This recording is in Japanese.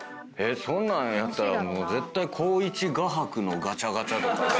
そんなんやったら絶対光一画伯のガチャガチャとか。